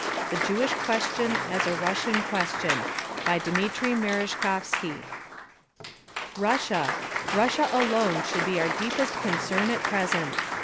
_ THE JEWISH QUESTION AS A RUSSIAN QUESTION BY DMITRY MEREZHKOVSKY Russia ... Russia alone should be our deepest concern at present.